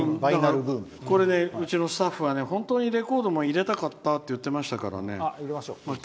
これで、うちのスタッフはレコードも入れたかったって言ってましたからね。